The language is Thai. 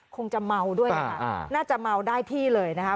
คงจะเมาด้วยนะคะน่าจะเมาได้ที่เลยนะคะ